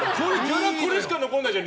これしか残らないじゃん！